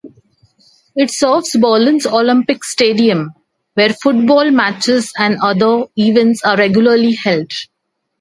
It serves Berlin's Olympic Stadium, where football matches and other events are regularly held.